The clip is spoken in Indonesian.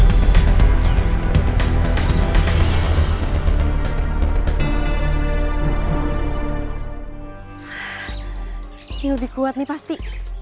ini lebih kuat nih pasti